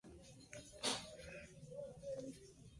En el centro se sitúa una pequeña plaza con una fuente.